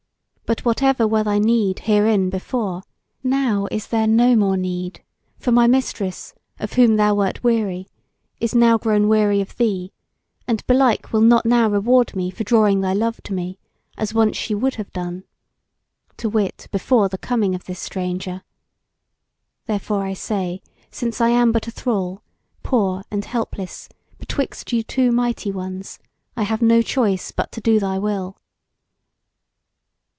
But whatever were thy need herein before, now is there no more need; for my Mistress, of whom thou wert weary, is now grown weary of thee, and belike will not now reward me for drawing thy love to me, as once she would have done; to wit, before the coming of this stranger. Therefore I say, since I am but a thrall, poor and helpless, betwixt you two mighty ones, I have no choice but to do thy will."